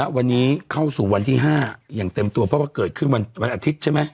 วันนี้เข้าสู่วันที่๕อย่างเต็มตัวเพราะว่าเกิดขึ้นวันอาทิตย์ใช่ไหม